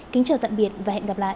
kính chào tạm biệt và hẹn gặp lại